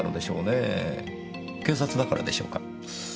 警察だからでしょうか？